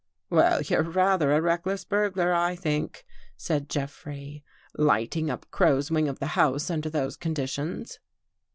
" Well, you're rather a reckless burglar, I think," said Jeffrey, " lighting up Crow's wing of the house under those conditions."